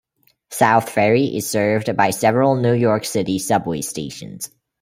South Ferry is served by several New York City Subway stations.